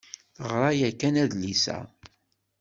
Teɣra yakan adlis-a.